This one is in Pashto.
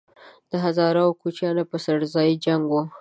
د هزاره او کوچیانو په څړځای جنګ وو